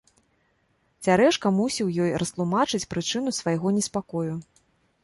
Цярэшка мусіў ёй растлумачыць прычыну свайго неспакою.